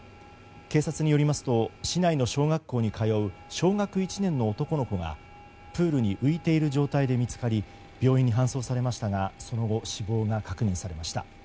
警察によりますと市内の小学校に通う小学１年の男の子がプールに浮いている状態で見つかり病院に搬送されましたがその後、死亡が確認されました。